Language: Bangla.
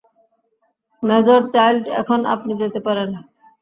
মেজর চাইল্ডস, এখন আপনি যেতে পারেন।